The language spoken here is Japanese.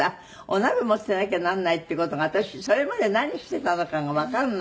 お鍋も捨てなきゃなんないっていう事が私それまで何していたのかがわかんない。